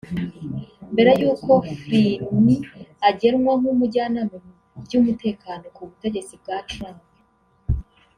mbere y'uko Flynn agenwa nk’umujyanama mu by’umutekano ku butegetsi bwa Trump